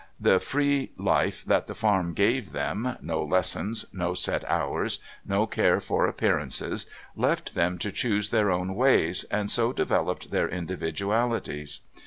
The free life that the farm gave them, no lessons, no set hours, no care for appearances, left them to choose their own ways, and so developed their individualities.